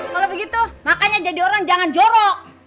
kalau begitu makanya jadi orang jangan jorok